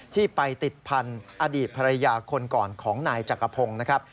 ที่ไปติดพันธุ์อดีตภรรยาคนก่อนของนายจักรพงศ์นะครับ